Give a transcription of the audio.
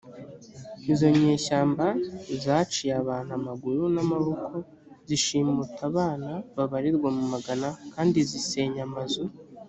izo nyeshyamba zaciye abantu amaguru n amaboko zishimuta abana babarirwa mu magana kandi zisenya amazu